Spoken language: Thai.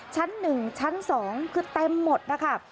ชั้นหนึ่งชั้นสองคือเต็มหมดนะคะ